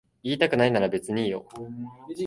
言いたくないなら別にいいよ。